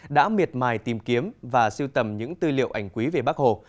đã miệt mài tìm kiếm và siêu tầm những tư liệu ảnh quý về bác hồ